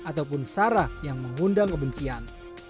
ataupun sara yang mengundang kebencian